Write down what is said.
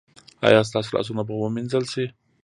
ایا ستاسو لاسونه به وینځل شي؟